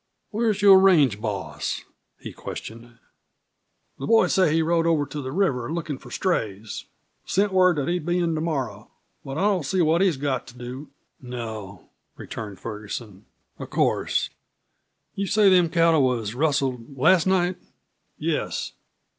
"Where's your range boss?" he questioned. "The boys say he rode over to the river lookin' for strays. Sent word that he'd be in to morrow. But I don't see what he's got to do " "No," returned Ferguson, "of course. You say them cattle was rustled last night?" "Yes."